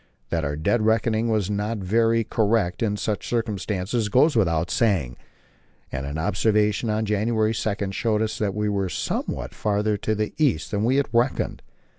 That our dead reckoning was not very correct in such circumstances goes without saying, and an observation on January 2 showed us that we were somewhat farther to the east than we had reckoned.